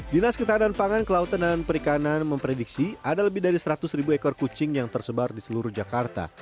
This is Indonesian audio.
dinas ketahanan pangan kelautan dan perikanan memprediksi ada lebih dari seratus ribu ekor kucing yang tersebar di seluruh jakarta